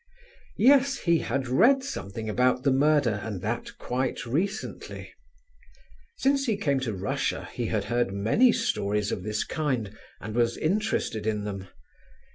Yes, he had read something about the murder, and that quite recently. Since he came to Russia, he had heard many stories of this kind, and was interested in them.